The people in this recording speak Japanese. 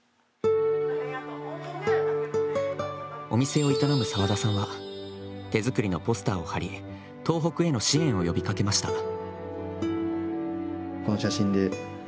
お店を営む沢田さんは手作りのポスターを貼り東北への支援を呼びかけました。